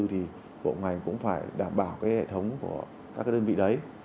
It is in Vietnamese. thì bộ ngành cũng phải đảm bảo hệ thống của các đơn vị đấy